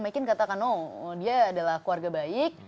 mckin katakan oh dia adalah keluarga baik